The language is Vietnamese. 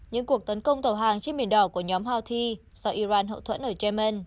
những cuộc tấn công tàu hàng trên biển đỏ của nhóm houthi do iran hậu thuẫn ở yemen